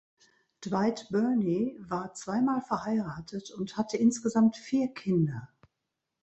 Dwight Burney war zweimal verheiratet und hatte insgesamt vier Kinder.